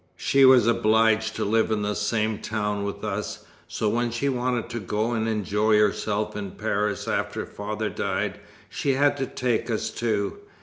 She was obliged to live in the same town with us; so when she wanted to go and enjoy herself in Paris after father died, she had to take us too.